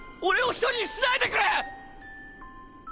俺を一人にしないでくれ！